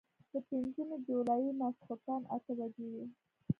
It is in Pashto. د پنځمې جولايې ماسخوتن اتۀ بجې وې